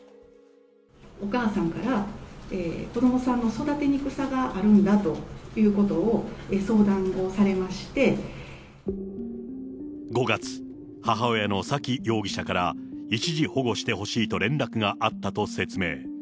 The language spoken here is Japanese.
お母さんから子どもさんの育てにくさがあるんだということを５月、母親の沙喜容疑者から、一時保護してほしいと連絡があったと説明。